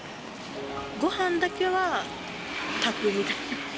ごはんだけは炊くみたいな。